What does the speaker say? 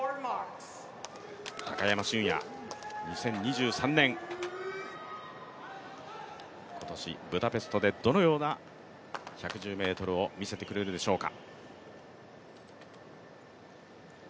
高山峻野、２０２３年、今年、ブダペストでどのような１１０ｍを見せてくれるでしょうか。